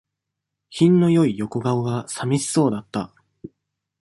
品の良い横顔が、さみしそうだった。